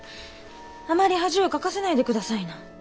あまり恥をかかせないで下さいな。